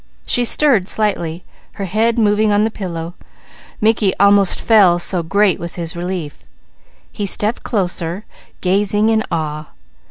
She stirred slightly, her head moving on the pillow. Mickey almost fell, so great was his relief. He stepped closer, gazing in awe.